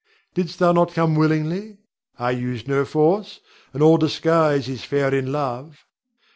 Didst thou not come willingly? I used no force; and all disguise is fair in love.